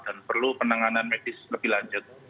dan perlu penanganan medis lebih lanjut